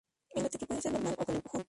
El ataque puede ser normal o con empujón.